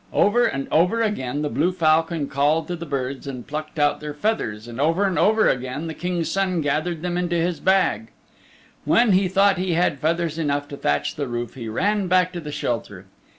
Over and over again the blue falcon called to the birds and plucked out their feathers, and over and over again the King's Son gathered them into his bag. When he thought he had feathers enough to thatch the roof he ran back to the shelter.